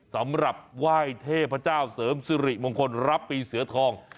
สำหรับไหว้เทพเจ้าเสริมสิริมงคลรับปีเสือทอง